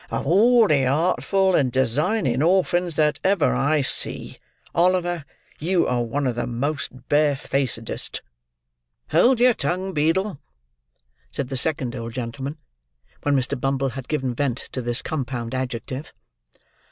of all the artful and designing orphans that ever I see, Oliver, you are one of the most bare facedest." "Hold your tongue, Beadle," said the second old gentleman, when Mr. Bumble had given vent to this compound adjective.